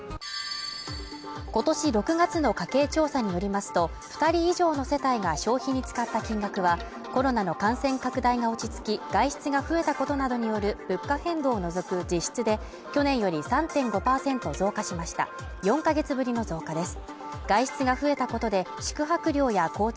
今年６月の家計調査によりますと二人以上の世帯が消費に使った金額はコロナの感染拡大が落ち着き外出が増えたことなどによる物価変動を除く実質で去年より３．５％増加しました４か月ぶりの増加です